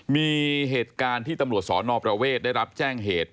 มีเหตุการณ์ที่ตำรวจสนประเวทได้รับแจ้งเหตุ